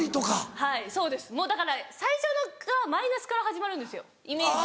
はいそうですだから最初がマイナスから始まるんですよイメージが。